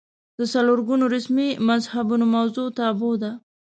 د څلور ګونو رسمي مذهبونو موضوع تابو ده